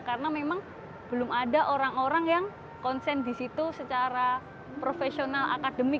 karena memang belum ada orang orang yang konsen di situ secara profesional akademik